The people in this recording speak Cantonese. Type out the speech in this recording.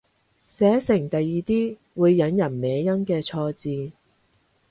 寫成第二啲會引人歪音嘅錯字